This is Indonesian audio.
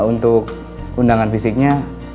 untuk undangan fisiknya